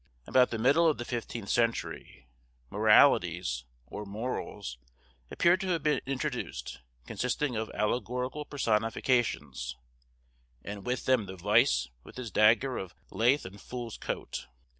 About the middle of the fifteenth century, moralities, or morals, appear to have been introduced, consisting of allegorical personifications, and with them the Vice with his dagger of lath and fool's coat.